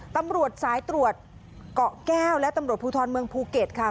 ตำรวจสายตรวจเกาะแก้วและตำรวจภูทรเมืองภูเก็ตค่ะ